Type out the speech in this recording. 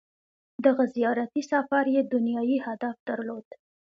• دغه زیارتي سفر یې دنیايي هدف درلود.